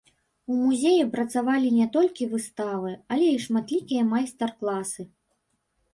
У музеі працавалі не толькі выставы, але і шматлікія майстар-класы.